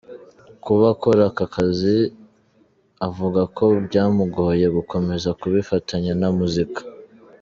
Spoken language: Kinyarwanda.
Kuba akora aka kazi, avuga ko byamugoye gukomeza kubifatanya na muzika.